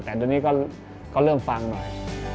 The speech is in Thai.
แต่ตอนนี้ก็เริ่มฟังหน่อย